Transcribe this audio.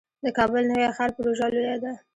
د کابل نوی ښار پروژه لویه ده